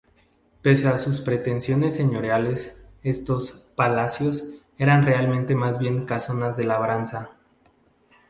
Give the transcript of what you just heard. Pese a sus pretensiones señoriales, estos "palacios" eran realmente más bien casonas de labranza.